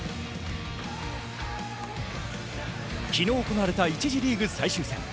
昨日行われた１次リーグ最終戦。